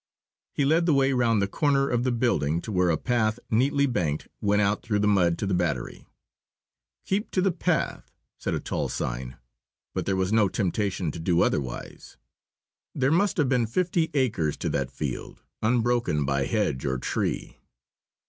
He led the way round the corner of the building to where a path, neatly banked, went out through the mud to the battery. "Keep to the path," said a tall sign. But there was no temptation to do otherwise. There must have been fifty acres to that field, unbroken by hedge or tree.